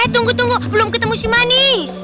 tunggu tunggu belum ketemu si manis